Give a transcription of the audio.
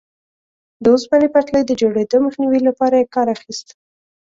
د اوسپنې پټلۍ د جوړېدو مخنیوي لپاره یې کار اخیست.